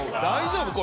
大丈夫？